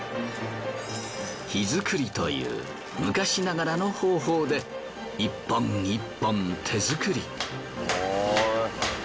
火造りという昔ながらの方法で１本１本手づくり。